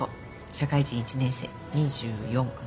社会人１年生２４かな？